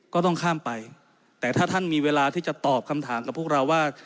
ก็ต้องข้ามไปแต่ถ้าท่านมีเวลาที่จะตอบคำถามกับพวกเราว่า